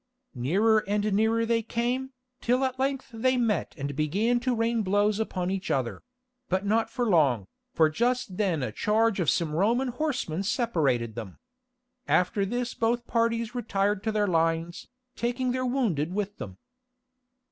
Nearer and nearer they came, till at length they met and began to rain blows upon each other; but not for long, for just then a charge of some Roman horsemen separated them. After this both parties retired to their lines, taking their wounded with them.